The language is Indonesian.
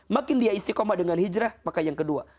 makin dia istiqomah dengan hijrah maka yang kedua